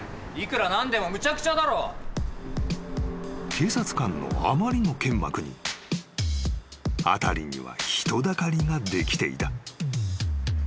［警察官のあまりのけんまくに辺りには人だかりができていた］